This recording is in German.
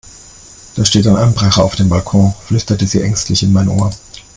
"Da steht ein Einbrecher auf dem Balkon", flüsterte sie ängstlich in mein Ohr.